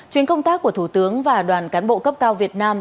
chuyến công tác của thủ tướng và đoàn cán bộ cấp cao việt nam